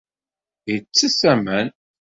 Yettess aman.